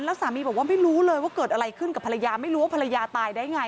แล้วสามีบอกว่าไม่รู้เลยว่าเกิดอะไรขึ้นกับภรรยาไม่รู้ว่าภรรยาตายได้ไง